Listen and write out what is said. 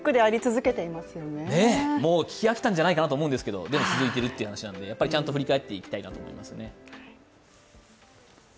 聞き飽きたんじゃないかなと思うんですけど続いているという話なのでやっぱりちゃんと振り返っていきたいなと思いますね。